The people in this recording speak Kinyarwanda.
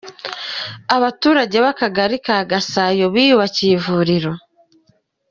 Abaturage b’Akagari ka Gasayo biyubakiye ivuriro